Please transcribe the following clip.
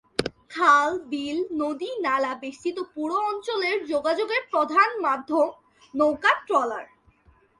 খাল-বিল-নদী-নালা বেষ্টিত পুরো অঞ্চলের যোগাযোগের প্রধান মাধ্যম নৌকা-ট্রলার।